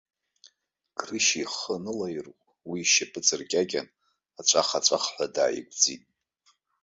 Грышьа ихы анылаирҟә, уи ишьапы ҵаркьакьан аҵәахаҵәахҳәа дааигәӡит.